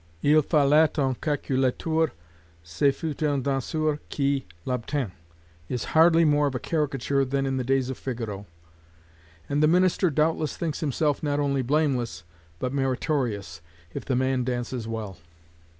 Il fallait un calculateur, ce fut un danseur qui l'obtint, is hardly more of a caricature than in the days of Figaro; and the minister doubtless thinks himself not only blameless, but meritorious, if the man dances well.